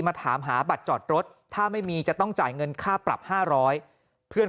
มาถามหาบัตรจอดรถถ้าไม่มีจะต้องจ่ายเงินค่าปรับ๕๐๐เพื่อน